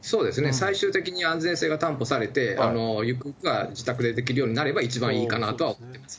最終的に安全性が担保されて、ゆくゆくは自宅でできるようになれば、一番いいかなとは思います。